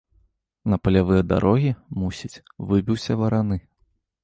На палявыя дарогі, мусіць, выбіўся вараны.